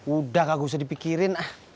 udah kak gak usah dipikirin